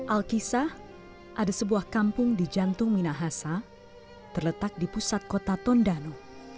alkisah ada sebuah kampung di jantung minahasa terletak di pusat kota tondano